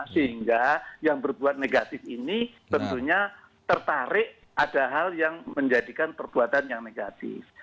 sehingga yang berbuat negatif ini tentunya tertarik ada hal yang menjadikan perbuatan yang negatif